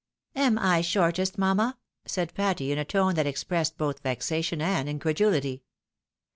" Am I shortest, mamma? " said Patty, in a tone that ex pressed both vexation and increduhty.